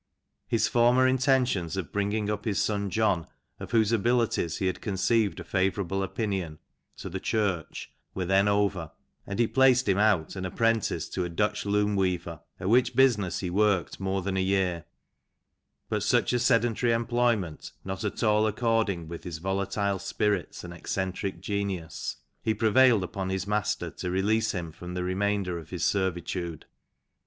His former intentions of bringiug up his son, John, of whose AND THE VILLAGE OF MILNEOW. 53 abilities he had conceived a favourable opinion, to the church, were then over, and he placed him out an apprentice to a Dutch loom weaver, at which business he worked more than a year ; but such a sedantry employment not at all according with his volatile spirits and eccentric genius, he prevailed upon his master to release him from the remainder of his servitude.